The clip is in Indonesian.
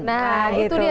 nah gitu ya